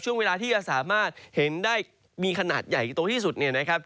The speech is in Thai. ช่วงเวลาที่จะสามารถเห็นได้มีขนาดใหญ่โตที่สุดเนี่ยนะครับ